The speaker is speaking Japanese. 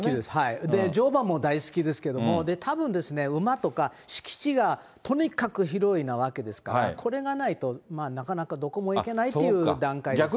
乗馬も大好きですけれども、たぶんですね、馬とか、敷地がとにかく広いなわけですから、これがないと、まあなかなかどこも行けないという段階ですね。